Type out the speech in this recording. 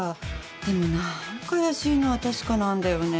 でも何か怪しいのは確かなんだよね。